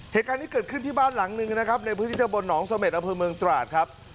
เหตุการณ์นี้เกิดขึ้นที่บ้านหลังนึงในพืชนิษฏภัณฑ์หนองสมศอัพพิมพ์เมืองตราดครับ